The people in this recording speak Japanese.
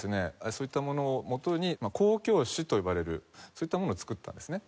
そういったものをもとに交響詩と呼ばれるそういったものを作ったんですね。